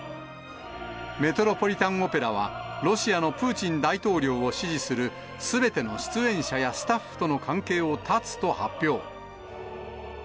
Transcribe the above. メトロポリタンオペラは、ロシアのプーチン大統領を支持するすべての出演者やスタッフとの関係を断つと発表。